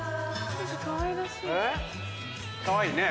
かわいいねぇ。